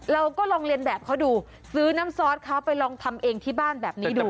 ลองเรียนแบบเขาดูซื้อน้ำซอสเขาไปลองทำเองที่บ้านแบบนี้ดู